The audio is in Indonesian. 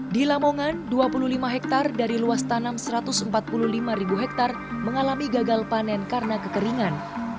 di lamongan dua puluh lima hektare dari luas tanam satu ratus empat puluh lima ribu hektare mengalami gagal panen karena kekeringan